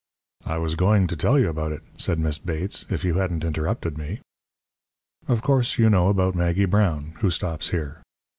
"I was going to tell you all about it," said Miss Bates, "if you hadn't interrupted me. "Of course, you know about Maggie Brown, who stops here.